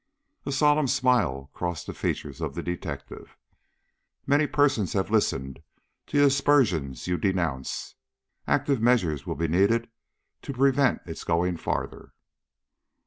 A solemn smile crossed the features of the detective. "Many persons have listened to the aspersion you denounce. Active measures will be needed to prevent its going farther."